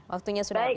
waktunya sudah habis